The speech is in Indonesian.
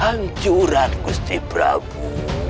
hancuran gusti prabu